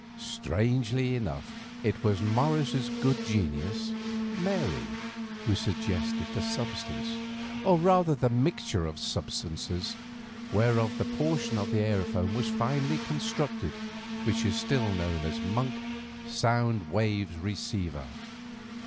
Strangely enough it was Morris's good genius, Mary, who suggested the substance, or, rather, the mixture of substances, whereof that portion of the aerophone was finally constructed which is still known as the Monk Sound Waves Receiver.